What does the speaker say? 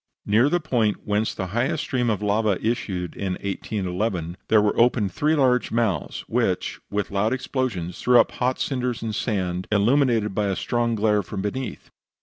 Near the point whence the highest stream of lava issued in 1811, there were opened three large mouths, which, with loud explosions, threw up hot cinders and sand, illuminated by a strong glare from beneath.